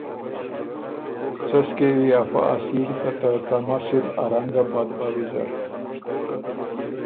”څۀ سو کېوي افۀ اصیل که ته کم اصل انګه بد بَۀ ویزر“